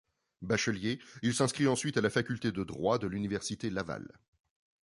Bachelier, il s'inscrit ensuite à la faculté de droit de l'Université Laval.